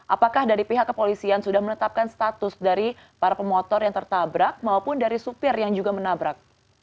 apakah dari pihak kepolisian sudah menetapkan status dari para pemotor yang tertabrak maupun dari supir yang juga menabrak